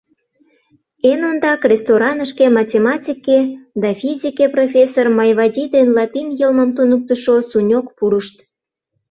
Эн ондак ресторанышке математике да физике профессор Майвади ден латин йылмым туныктышо Суньог пурышт.